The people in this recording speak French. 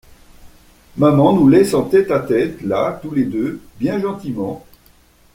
Maman nous laisse en tête-à-tête, Là, tous les deux, bien gentiment.